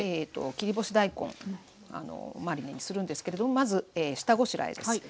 切り干し大根マリネにするんですけれどもまず下ごしらえです。